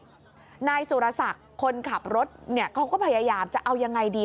ชาร์จสุรศักดิ์คนขับรถก็พยายามจะเอายังไงดี